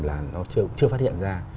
là nó chưa phát hiện ra